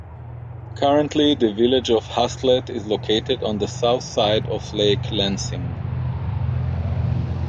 Currently, the Village of Haslett is located at the south side of Lake Lansing.